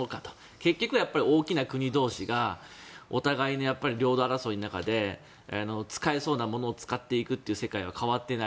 結局、大きな国同士がお互いの領土争いの中で使えそうなものを使っていくという世界は変わっていない。